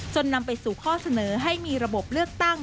นำไปสู่ข้อเสนอให้มีระบบเลือกตั้ง